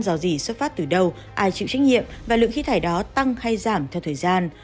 dò dỉ xuất phát từ đâu ai chịu trách nhiệm và lượng khí thải đó tăng hay giảm theo thời gian